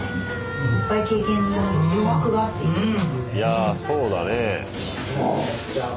いやそうだね。